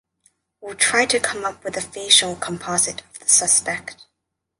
We’ll try to come up with a facial composite of the suspect.